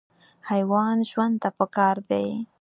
حیوان ژوند ته پکار دی.